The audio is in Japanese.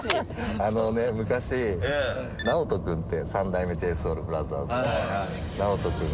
あのね昔ＮＡＯＴＯ君って三代目ＪＳＯＵＬＢＲＯＴＨＥＲＳの。